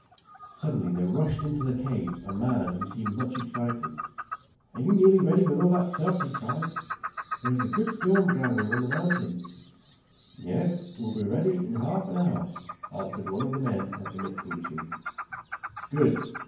Suddenly there rushed into the cave a man who seemed much excited. "Are you nearly ready with that stuff?" he cried. "There's a good storm gathering on the mountain!" "Yes, we'll be ready in half an hour," answered one of the men at the mixing machine. "Good.